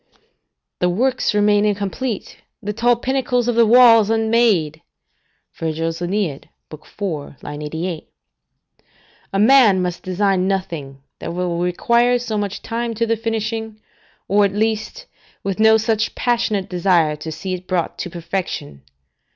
["The works remain incomplete, the tall pinnacles of the walls unmade." AEneid, iv. 88.] A man must design nothing that will require so much time to the finishing, or, at least, with no such passionate desire to see it brought to perfection.